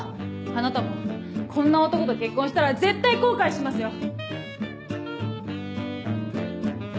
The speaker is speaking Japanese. あなたもこんな男と結婚したら絶対後悔しますよ。